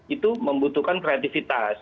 itu membutuhkan kreativitas